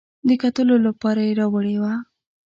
د کتلو لپاره یې راوړې وه.